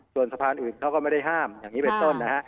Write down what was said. ส่วนสะพานอื่นเขาก็ไม่ได้ห้ามอย่างนี้เป็นต้นนะฮะ